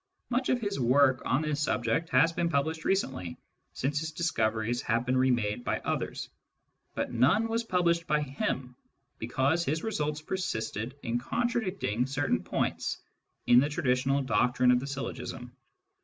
Much of his work on this subject has been published recently, since his dis coveries have been remade by others ; but none was published by him, because his results persisted in con tradicting certain points in the traditional doctrine of the syllogism.